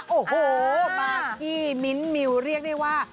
โอ้โหมากกี้มิ้นท์มิวเรียกได้ว่า